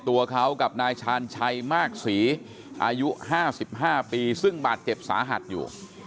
ตัวเขากับนายชาญชัยมากศรีอายุ๕๕ปีซึ่งบาดเจ็บสาหัสอยู่